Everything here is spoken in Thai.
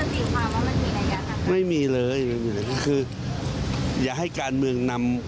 เดี๋ยวขอเข้ากรบล้ำ